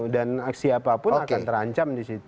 dan siapapun akan terancam di situ